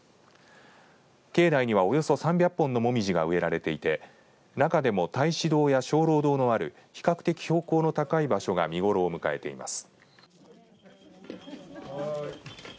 境内には、およそ３００本の紅葉が植えられていて中でも大師堂や鐘楼堂のある比較的、標高の高い場所が見頃を迎えています。